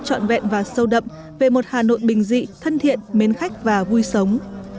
trọn vẹn và sâu đậm về một hà nội bình dị thân thiện mến khách và vui sống